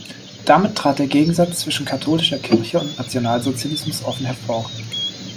Damit trat der Gegensatz zwischen katholischer Kirche und Nationalsozialismus offen hervor.